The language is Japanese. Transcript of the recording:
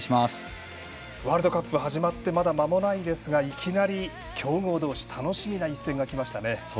ワールドカップ始まってまだ、まもないですがいきなり強豪同士楽しみな一戦が来ましたね。